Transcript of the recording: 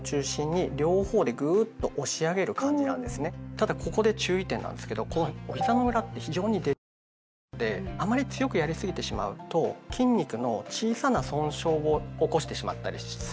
ただここで注意点なんですけどひざの裏って非常にデリケートなとこなのであまり強くやりすぎてしまうと筋肉の小さな損傷を起こしてしまったりするんですね。